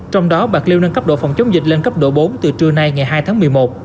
trong đó bạc liêu nâng cấp độ phòng chống dịch lên cấp độ bốn từ trưa nay ngày hai tháng một mươi một